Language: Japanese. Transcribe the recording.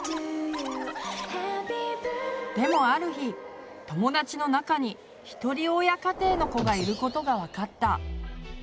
でもある日友だちの中に一人親家庭の子がいることが分かった。